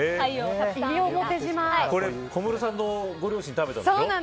小室さんのご両親食べたんでしょ。